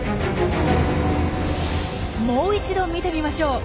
もう一度見てみましょう。